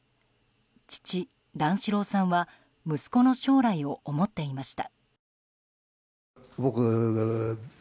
父・段四郎さんは息子の将来を思っていました。